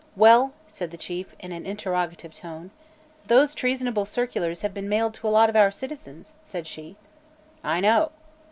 "Well!" said the Chief, in an interrogative tone. "Those treasonable circulars have been mailed to a lot of our citizens," said she. "I know."